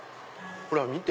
ほら見て。